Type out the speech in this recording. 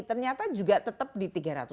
ternyata juga tetap di tiga ratus empat ratus